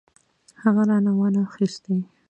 هغې رانه وانه خيستې.